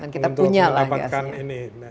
kita punya lah gasnya